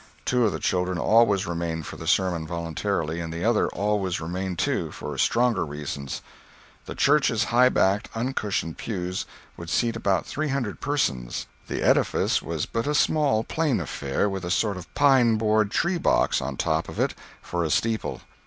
Two of the children always remained for the sermon voluntarily, and the other always remained too—for stronger reasons. The church's high backed, uncushioned pews would seat about three hundred persons; the edifice was but a small, plain affair, with a sort of pine board tree box on top of it for a steeple.